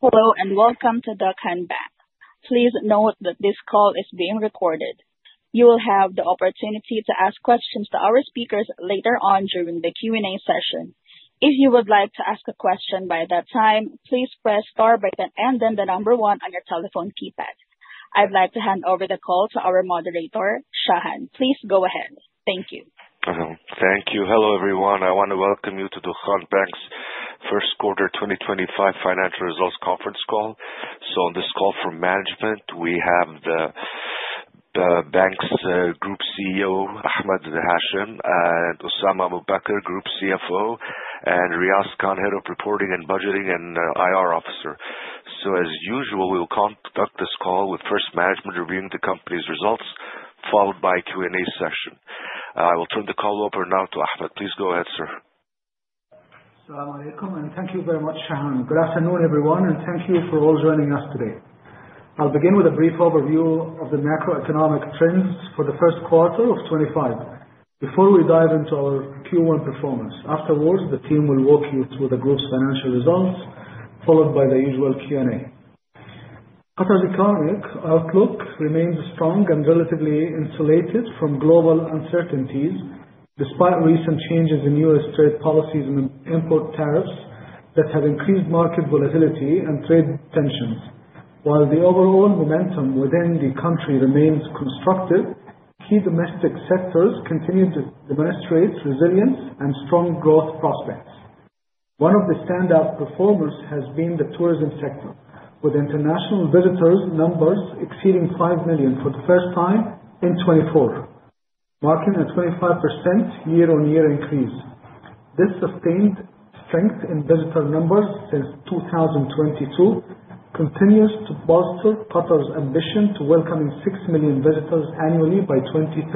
Hello, and welcome to Dukhan Bank. Please note that this call is being recorded. You will have the opportunity to ask questions to our speakers later on during the Q&A session. If you would like to ask a question by that time, please press star button and then the number one on your telephone keypad. I'd like to hand over the call to our moderator, Shahan. Please go ahead. Thank you. Thank you. Hello, everyone. I want to welcome you to Dukhan Bank's first quarter 2025 financial results conference call. On this call from management, we have the bank's Group CEO, Ahmed Hashem, and Osama Abu Baker, Group CFO, and Riaz Khan, Head of Reporting and Budgeting, and IR Officer. As usual, we will conduct this call with first management reviewing the company's results, followed by Q&A session. I will turn the call over now to Ahmed. Please go ahead, sir. Salaam Alaikum, and thank you very much, Shahan. Good afternoon, everyone, and thank you for all joining us today. I'll begin with a brief overview of the macroeconomic trends for the first quarter of 2025 before we dive into our Q1 performance. Afterwards, the team will walk you through the group's financial results, followed by the usual Q&A. Qatar's economic outlook remains strong and relatively insulated from global uncertainties, despite recent changes in U.S. trade policies and import tariffs that have increased market volatility and trade tensions. While the overall momentum within the country remains constructive, key domestic sectors continue to demonstrate resilience and strong growth prospects. One of the standout performers has been the tourism sector, with international visitors numbers exceeding five million for the first time in 2024, marking a 25% year-on-year increase. This sustained strength in visitor numbers since 2022 continues to bolster Qatar's ambition to welcoming six million visitors annually by 2030.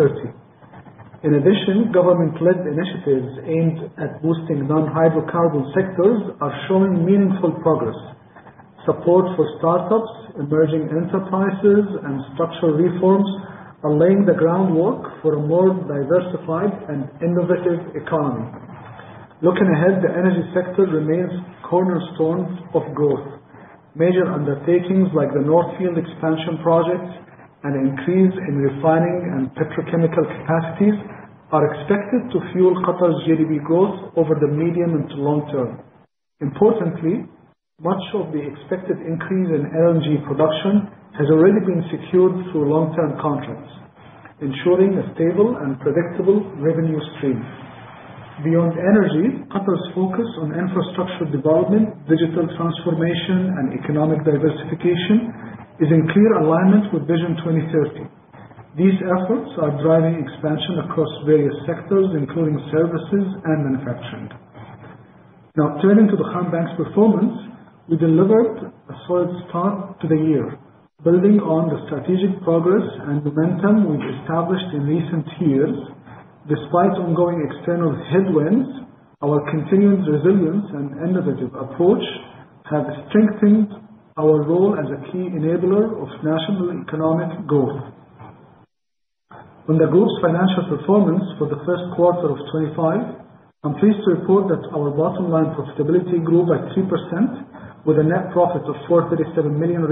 In addition, government-led initiatives aimed at boosting non-hydrocarbon sectors are showing meaningful progress. Support for startups, emerging enterprises, and structural reforms are laying the groundwork for a more diversified and innovative economy. Looking ahead, the energy sector remains a cornerstone of growth. Major undertakings like the North Field Expansion projects and increase in refining and petrochemical capacities are expected to fuel Qatar's GDP growth over the medium and to long term. Importantly, much of the expected increase in energy production has already been secured through long-term contracts, ensuring a stable and predictable revenue stream. Beyond energy, Qatar's focus on infrastructure development, digital transformation and economic diversification is in clear alignment with Vision 2030. These efforts are driving expansion across various sectors, including services and manufacturing. Turning to the Dukhan Bank's performance, we delivered a solid start to the year, building on the strategic progress and momentum we've established in recent years. Despite ongoing external headwinds, our continued resilience and innovative approach have strengthened our role as a key enabler of national economic growth. On the group's financial performance for the first quarter of 2025, I'm pleased to report that our bottom line profitability grew by 3% with a net profit of QAR 437 million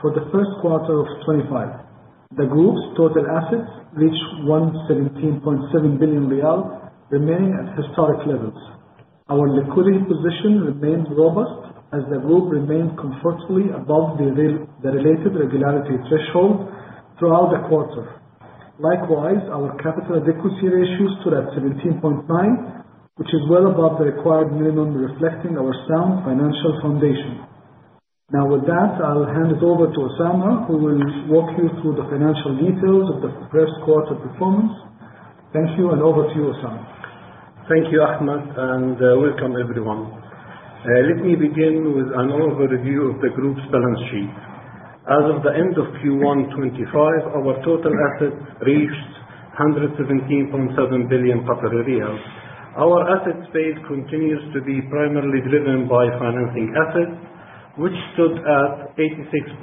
for the first quarter of 2025. The group's total assets reached QAR 117.7 billion, remaining at historic levels. Our liquidity position remains robust as the group remained comfortably above the related regulatory threshold throughout the quarter. Likewise, our capital adequacy ratio stood at 17.9%, which is well above the required minimum, reflecting our sound financial foundation. With that, I'll hand it over to Osama, who will walk you through the financial details of the first quarter performance. Thank you, and over to you, Osama. Thank you, Ahmed, welcome everyone. Let me begin with an overview of the group's balance sheet. As of the end of Q1 2025, our total assets reached 117.7 billion Qatari riyals. Our asset space continues to be primarily driven by financing assets, which stood at 86.6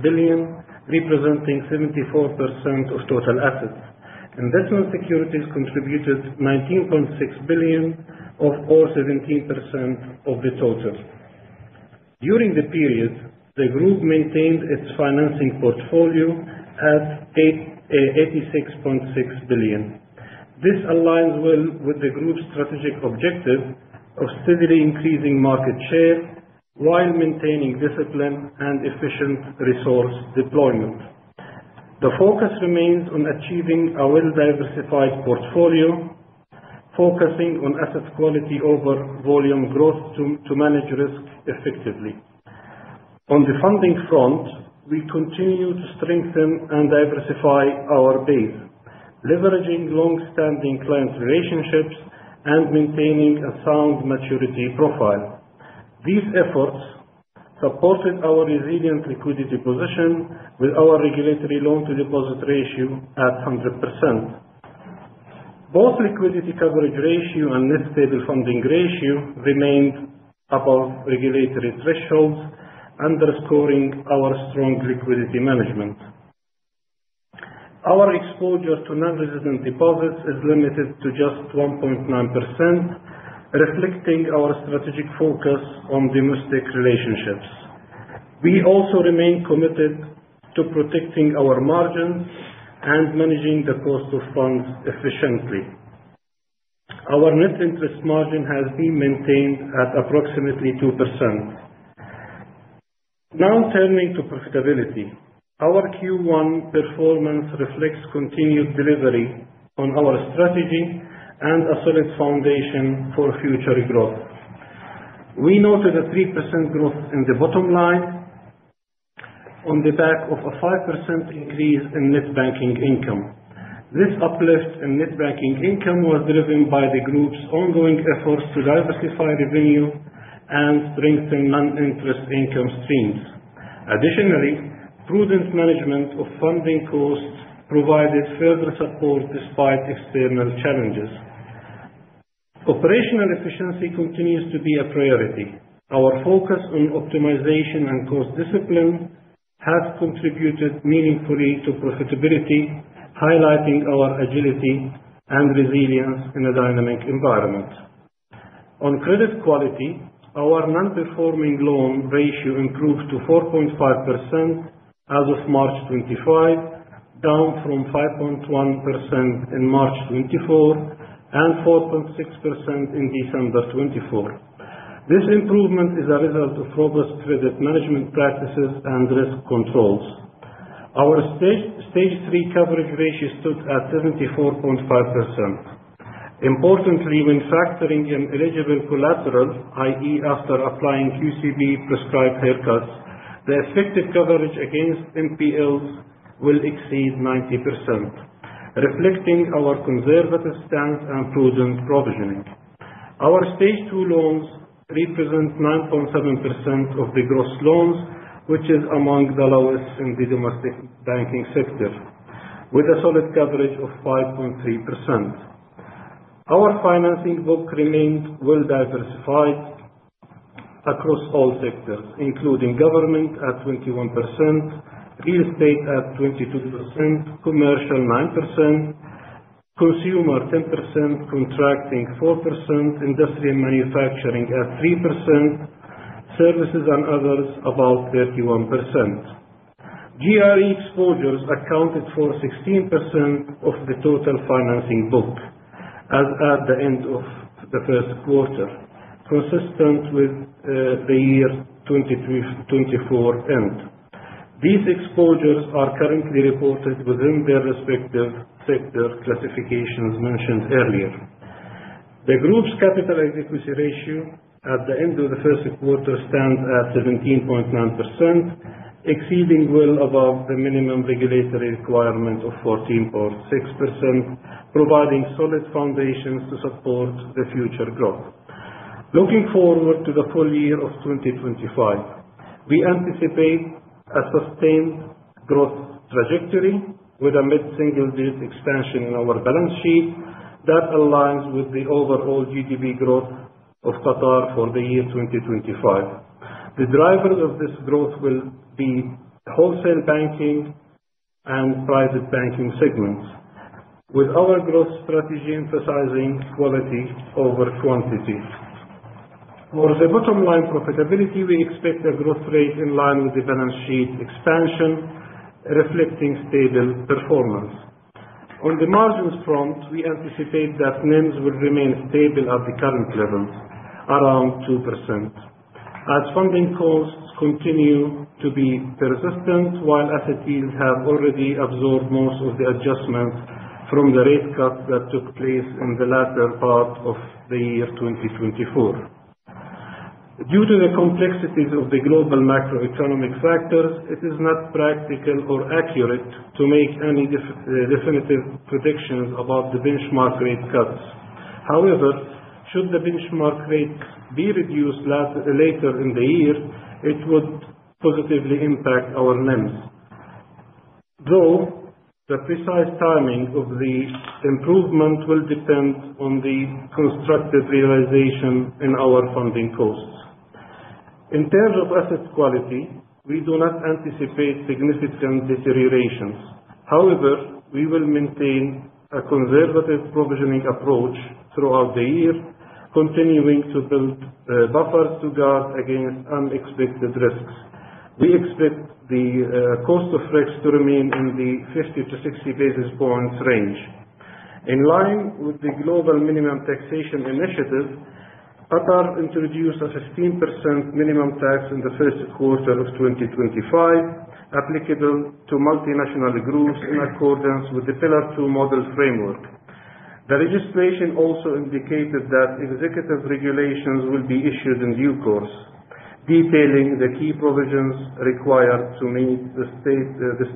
billion, representing 74% of total assets. Investment securities contributed 19.6 billion or 17% of the total. During the period, the group maintained its financing portfolio at 86.6 billion. This aligns well with the group's strategic objective of steadily increasing market share while maintaining discipline and efficient resource deployment. The focus remains on achieving a well-diversified portfolio, focusing on asset quality over volume growth to manage risk effectively. On the funding front, we continue to strengthen and diversify our base, leveraging long-standing client relationships and maintaining a sound maturity profile. These efforts supported our resilient liquidity position with our regulatory loan-to-deposit ratio at 100%. Both liquidity coverage ratio and net stable funding ratio remained above regulatory thresholds, underscoring our strong liquidity management. Our exposure to non-resident deposits is limited to just 1.9%, reflecting our strategic focus on domestic relationships. We also remain committed to protecting our margins and managing the cost of funds efficiently. Our net interest margin has been maintained at approximately 2%. Turning to profitability. Our Q1 performance reflects continued delivery on our strategy and a solid foundation for future growth. We noted a 3% growth in the bottom line on the back of a 5% increase in net banking income. This uplift in net banking income was driven by the group's ongoing efforts to diversify revenue and strengthen non-interest income streams. Additionally, prudent management of funding costs provided further support despite external challenges. Operational efficiency continues to be a priority. Our focus on optimization and cost discipline has contributed meaningfully to profitability, highlighting our agility and resilience in a dynamic environment. On credit quality, our non-performing loan ratio improved to 4.5% as of March 2025, down from 5.1% in March 2024 and 4.6% in December 2024. This improvement is a result of robust credit management practices and risk controls. Our stage 3 coverage ratio stood at 74.5%. Importantly, when factoring in eligible collateral, i.e., after applying QCB prescribed haircuts, the effective coverage against NPLs will exceed 90%, reflecting our conservative stance and prudent provisioning. Our stage 2 loans represent 9.7% of the gross loans, which is among the lowest in the domestic banking sector, with a solid coverage of 5.3%. Our financing book remained well-diversified across all sectors, including government at 21%, real estate at 22%, commercial 9%, consumer 10%, contracting 4%, industry and manufacturing at 3%, services and others above 31%. GRE exposures accounted for 16% of the total financing book as at the end of the first quarter, consistent with the year 2023, 2024 end. These exposures are currently reported within their respective sector classifications mentioned earlier. The group's capital adequacy ratio at the end of the first quarter stands at 17.9%, exceeding well above the minimum regulatory requirement of 14.6%, providing solid foundations to support the future growth. Looking forward to the full year of 2025, we anticipate a sustained growth trajectory with a mid-single digit expansion in our balance sheet that aligns with the overall GDP growth of Qatar for the year 2025. The driver of this growth will be wholesale banking and private banking segments, with our growth strategy emphasizing quality over quantity. For the bottom line profitability, we expect a growth rate in line with the balance sheet expansion, reflecting stable performance. On the margins front, we anticipate that NIMs will remain stable at the current levels around 2% as funding costs continue to be persistent, while entities have already absorbed most of the adjustments from the rate cut that took place in the latter part of the year 2024. Should the benchmark rate be reduced later in the year, it would positively impact our NIMs. Though, the precise timing of the improvement will depend on the constructive realization in our funding costs. In terms of asset quality, we do not anticipate significant deteriorations. We will maintain a conservative provisioning approach throughout the year, continuing to build buffers to guard against unexpected risks. We expect the cost of risks to remain in the 50-60 basis points range. In line with the global minimum taxation initiative, Qatar introduced a 15% minimum tax in the first quarter of 2025, applicable to multinational groups in accordance with the Pillar Two model framework. The legislation also indicated that executive regulations will be issued in due course, detailing the key provisions required to meet the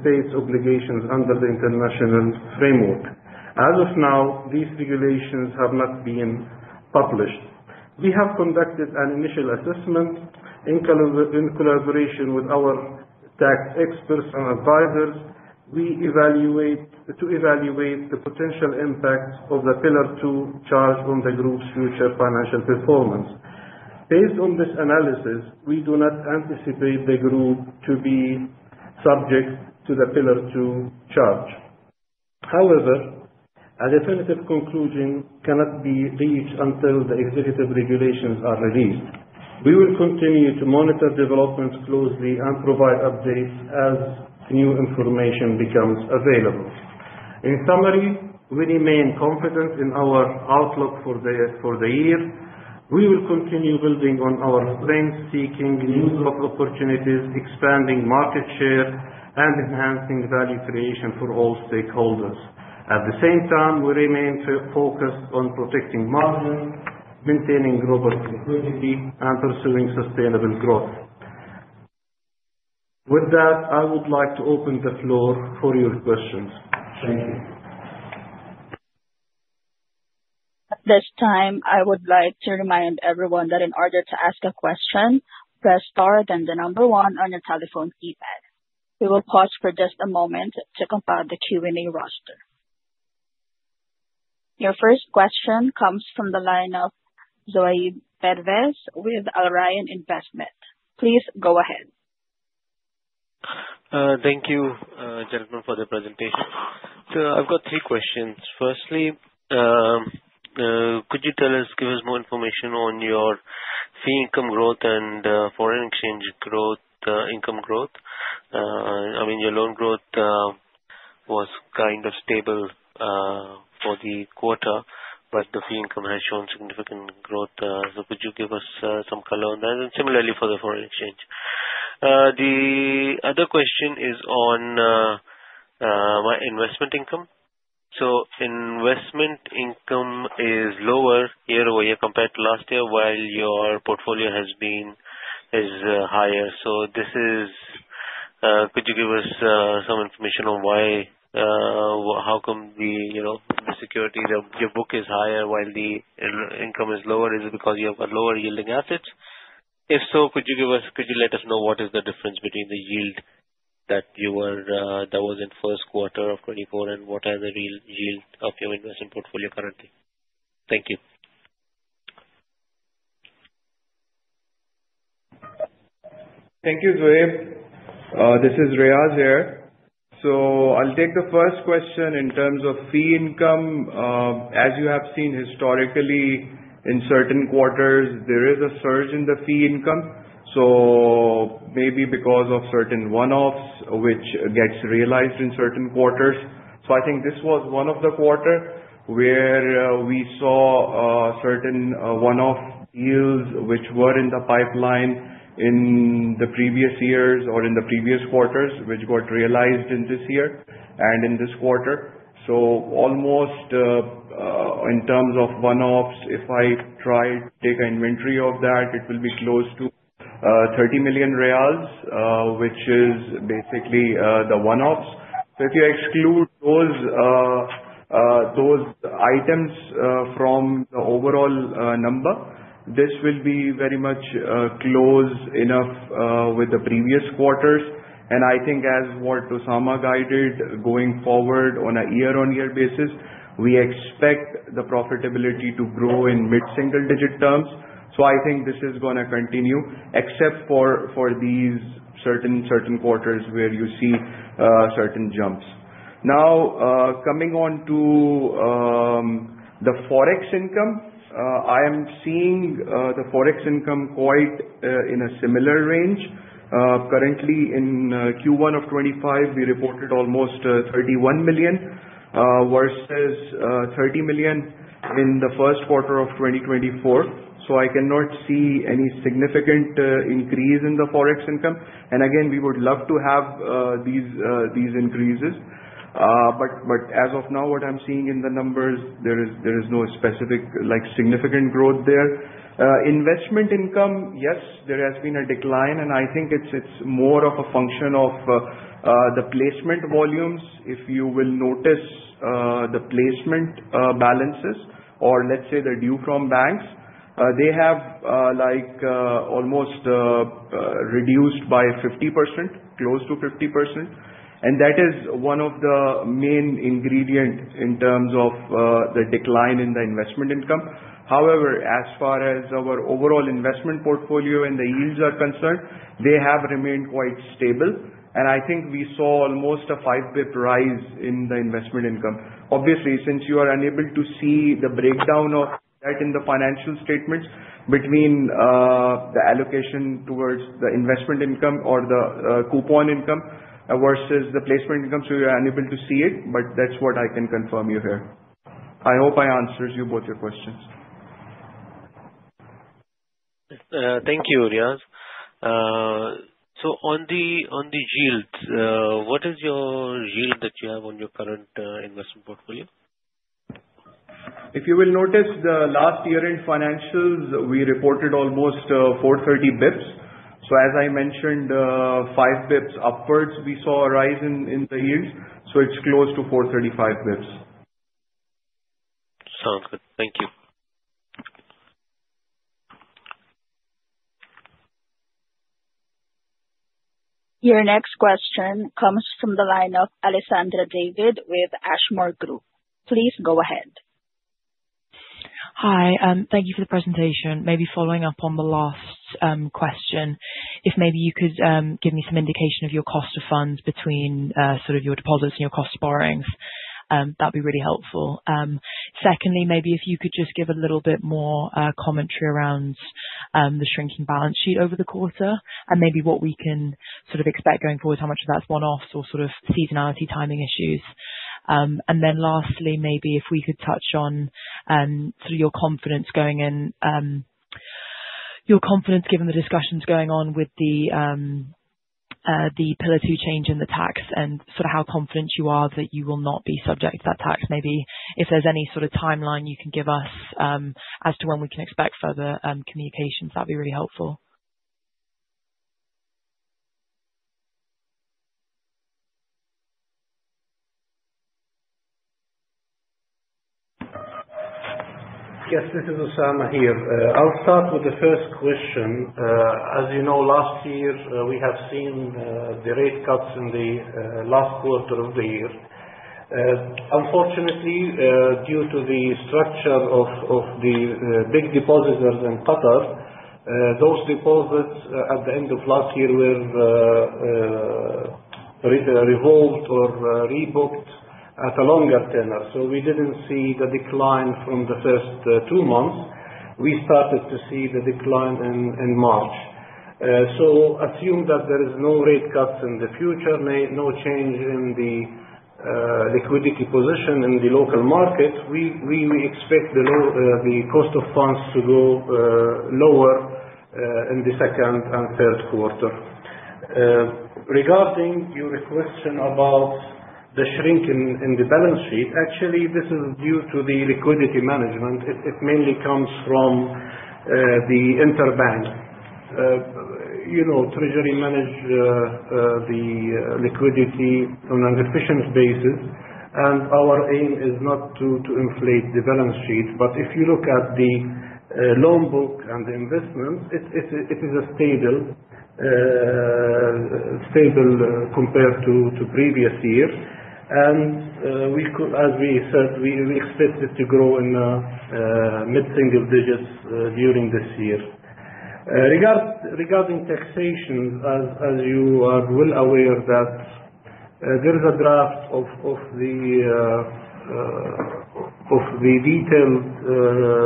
state's obligations under the international framework. As of now, these regulations have not been published. We have conducted an initial assessment in collaboration with our tax experts and advisors, to evaluate the potential impact of the Pillar Two charge on the group's future financial performance. Based on this analysis, we do not anticipate the group to be subject to the Pillar 2 charge. However, a definitive conclusion cannot be reached until the executive regulations are released. We will continue to monitor developments closely and provide updates as new information becomes available. In summary, we remain confident in our outlook for the year. We will continue building on our strengths, seeking new growth opportunities, expanding market share, and enhancing value creation for all stakeholders. At the same time, we remain focused on protecting margins, maintaining robust liquidity, and pursuing sustainable growth. With that, I would like to open the floor for your questions. Thank you. At this time, I would like to remind everyone that in order to ask a question, press star then the number one on your telephone keypad. We will pause for just a moment to compile the Q&A roster. Your first question comes from the line of Zohaib Pervez with Al Rayan Investment. Please go ahead. Thank you, gentlemen, for the presentation. I've got three questions. Firstly, could you give us more information on your fee income growth and foreign exchange income growth? Your loan growth was kind of stable for the quarter, the fee income has shown significant growth. Could you give us some color on that? Similarly for the foreign exchange. The other question is on investment income. Investment income is lower year-over-year compared to last year while your portfolio is higher. Could you give us some information on how come the security of your book is higher while the income is lower? Is it because you have got lower yielding assets? If so, could you let us know what is the difference between the yield that was in the first quarter of 2024 and what are the real yield of your investment portfolio currently? Thank you. Thank you, Zohaib. This is Riaz here. I'll take the first question in terms of fee income. As you have seen historically, in certain quarters, there is a surge in the fee income. Maybe because of certain one-offs which gets realized in certain quarters. I think this was one of the quarters where we saw certain one-off deals which were in the pipeline in the previous years or in the previous quarters, which got realized in this year and in this quarter. Almost in terms of one-offs, if I try to take inventory of that, it will be close to 30 million QAR, which is basically the one-offs. If you exclude those items from the overall number, this will be very much close enough with the previous quarters. I think as what Osama guided, going forward on a year-over-year basis, we expect the profitability to grow in mid-single-digit terms. I think this is going to continue except for these certain quarters where you see certain jumps. Coming on to the Forex income. I am seeing the Forex income quite in a similar range. Currently in Q1 of 2025, we reported almost 31 million QAR versus 30 million QAR in the first quarter of 2024. I cannot see any significant increase in the Forex income. Again, we would love to have these increases. As of now, what I'm seeing in the numbers, there is no specific significant growth there. Investment income, yes, there has been a decline, and I think it's more of a function of the placement volumes. If you will notice the placement balances, or let's say the due from banks, they have almost reduced by 50%, close to 50%. That is one of the main ingredients in terms of the decline in the investment income. As far as our overall investment portfolio and the yields are concerned, they have remained quite stable. I think we saw almost a five pip rise in the investment income. Since you are unable to see the breakdown of that in the financial statements between the allocation towards the investment income or the coupon income versus the placement income, you are unable to see it, but that's what I can confirm you here. I hope I answered both your questions. Thank you, Riaz. On the yields, what is your yield that you have on your current investment portfolio? If you will notice, last year in financials, we reported almost 430 bips. As I mentioned, five bips upwards, we saw a rise in the yields. It's close to 435 bips. Sounds good. Thank you. Your next question comes from the line of Alessandra David with Ashmore Group. Please go ahead. Hi. Thank you for the presentation. Maybe following up on the last question, if maybe you could give me some indication of your cost of funds between your deposits and your cost of borrowings, that'd be really helpful. Secondly, maybe if you could just give a little bit more commentary around the shrinking balance sheet over the quarter and maybe what we can expect going forward, how much of that's one-offs or seasonality timing issues. Lastly, maybe if we could touch on your confidence given the discussions going on with the Pillar Two change in the tax and how confident you are that you will not be subject to that tax. Maybe if there's any sort of timeline you can give us, as to when we can expect further communications, that'd be really helpful. Yes, this is Osama here. I'll start with the first question. As you know, last year, we have seen the rate cuts in the last quarter of the year. Unfortunately, due to the structure of the big depositors in Qatar, those deposits at the end of last year were revolved or rebooked at a longer tenure. We didn't see the decline from the first two months. We started to see the decline in March. Assume that there is no rate cuts in the future, no change in the liquidity position in the local market, we may expect the cost of funds to go lower in the second and third quarter. Regarding your question about the shrinking in the balance sheet, actually, this is due to the liquidity management. It mainly comes from the inter-bank. Treasury manage the liquidity on an efficient basis, our aim is not to inflate the balance sheet. If you look at the loan book and the investment, it is stable compared to previous years. As we said, we expect it to grow in mid-single digits during this year. Regarding taxation, as you are well aware that there is a draft of the detailed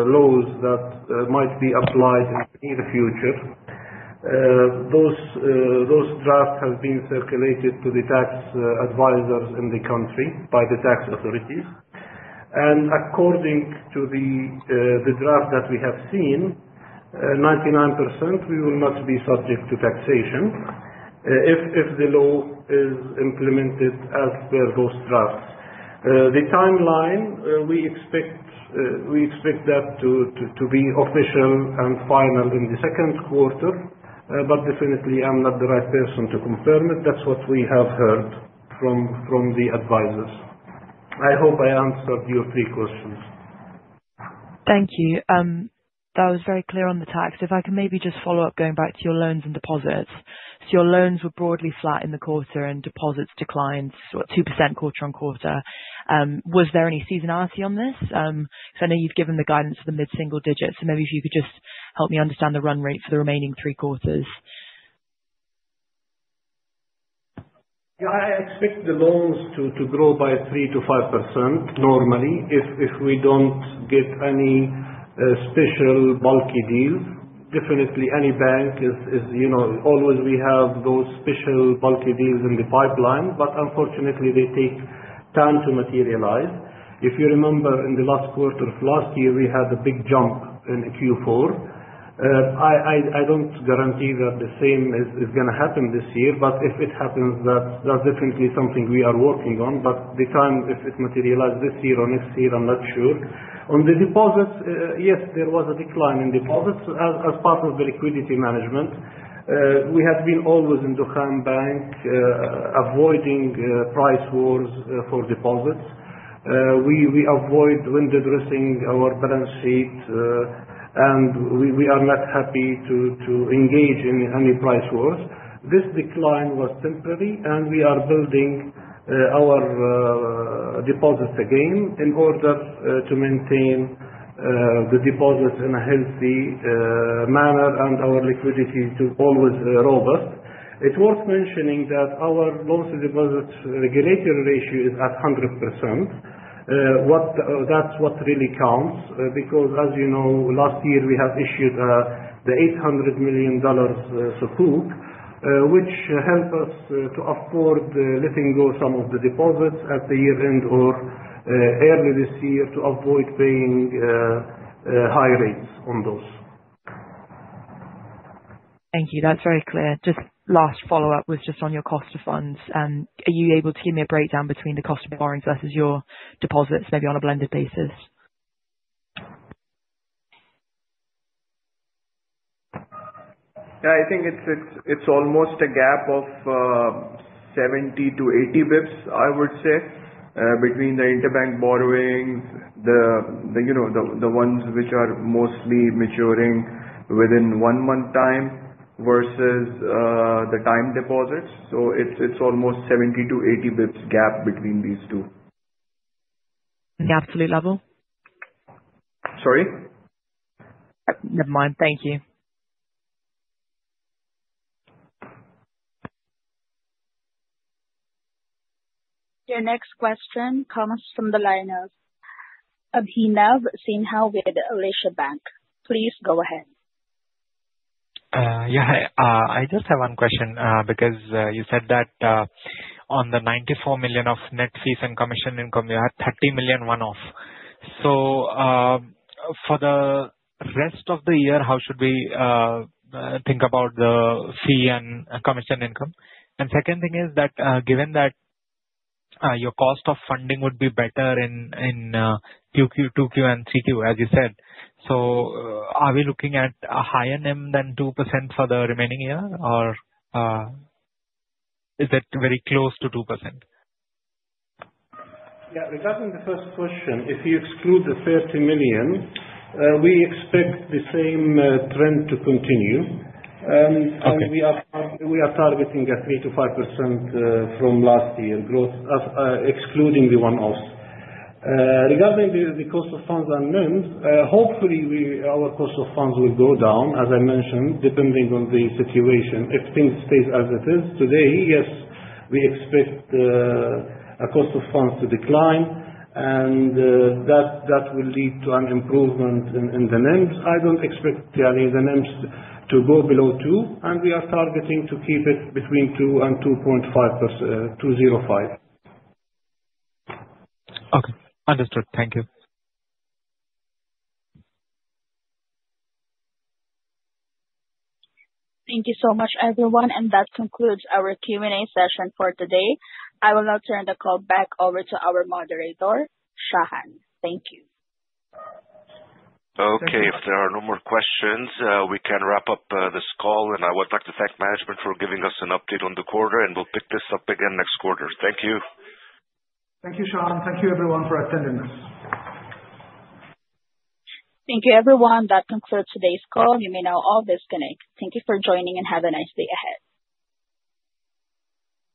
laws that might be applied in the near future. Those drafts have been circulated to the tax advisors in the country by the tax authorities. According to the draft that we have seen, 99%, we will not be subject to taxation, if the law is implemented as per those drafts. The timeline, we expect that to be official and final in the second quarter. Definitely, I'm not the right person to confirm it. That's what we have heard from the advisors. I hope I answered your three questions. Thank you. That was very clear on the tax. If I can maybe just follow up, going back to your loans and deposits. Your loans were broadly flat in the quarter and deposits declined sort of 2% quarter-on-quarter. Was there any seasonality on this? Because I know you've given the guidance for the mid-single digits, so maybe if you could just help me understand the run rate for the remaining three quarters. I expect the loans to grow by 3% to 5% normally, if we don't get any special bulky deals. Definitely any bank, as always, we have those special bulky deals in the pipeline, unfortunately, they take time to materialize. If you remember in the last quarter of last year, we had a big jump in Q4. I don't guarantee that the same is going to happen this year. If it happens, that's definitely something we are working on. The time, if it materialize this year or next year, I'm not sure. On the deposits, yes, there was a decline in deposits as part of the liquidity management. We have been always in Dukhan Bank, avoiding price wars for deposits. We avoid window dressing our balance sheet, and we are not happy to engage in any price wars. This decline was temporary, we are building our deposits again in order to maintain the deposits in a healthy manner, and our liquidity to always be robust. It's worth mentioning that our loans to deposits regulatory ratio is at 100%. That's what really counts. As you know, last year we have issued the $800 million Sukuk, which help us to afford letting go some of the deposits at the year-end or earlier this year to avoid paying high rates on those. Thank you. That's very clear. Just last follow-up was just on your cost of funds. Are you able to give me a breakdown between the cost of borrowings versus your deposits, maybe on a blended basis? I think it's almost a gap of 70 to 80 bps, I would say, between the interbank borrowings, the ones which are mostly maturing within one month time versus the time deposits. It's almost 70 to 80 bps gap between these two. The absolute level? Sorry? Never mind. Thank you. Your next question comes from the line of Abhinav Singh with Alahli Bank. Please go ahead. Yeah. I just have one question, because you said that on the 94 million of net fees and commission income, you had 30 million one-off. For the rest of the year, how should we think about the fee and commission income? Second thing is that, given that your cost of funding would be better in Q2 and Q2, as you said, are we looking at a higher NIM than 2% for the remaining year, or is it very close to 2%? Yeah. Regarding the first question, if you exclude the 30 million, we expect the same trend to continue. Okay. We are targeting a 3%-5% from last year growth, excluding the one-offs. Regarding the cost of funds and NIMs, hopefully our cost of funds will go down, as I mentioned, depending on the situation. If things stay as it is today, yes, we expect a cost of funds to decline, and that will lead to an improvement in the NIMs. I don't expect the NIMs to go below 2%, and we are targeting to keep it between 2% and 2.05%. Okay. Understood. Thank you. Thank you so much, everyone. That concludes our Q&A session for today. I will now turn the call back over to our moderator, Shahan. Thank you. Okay. If there are no more questions, we can wrap up this call. I would like to thank management for giving us an update on the quarter. We'll pick this up again next quarter. Thank you. Thank you, Shahan. Thank you everyone for attending. Thank you everyone. That concludes today's call. You may now all disconnect. Thank you for joining and have a nice day ahead.